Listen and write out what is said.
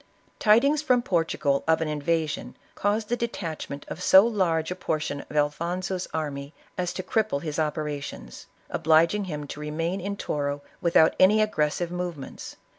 Tidings from Portugal of an invasion, caused the de tachment of so large a portion of Alfonso's army as to cripple his operations, obliging him to remain in Toro without any aggressive movements.